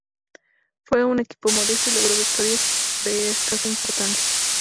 Fue un equipo modesto y logró victorias de escasa importancia.